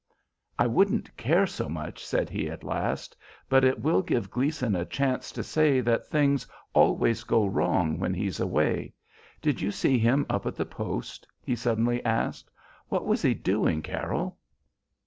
"I wouldn't care so much," said he at last, "but it will give Gleason a chance to say that things always go wrong when he's away. Did you see him up at the post?" he suddenly asked. "What was he doing, Carroll?"